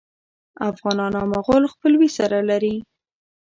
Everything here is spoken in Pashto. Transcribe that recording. افغانان او مغول خپلوي سره لري.